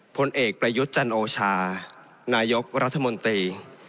ผลเอกประยุทธ์จันโอชานายกรัฐมนตรี